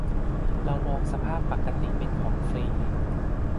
เรามองสภาพปกติเป็นของฟรี